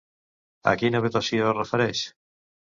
A quina habitació es refereix?